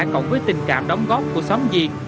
cộng với tình cảm đóng góp của xóm việt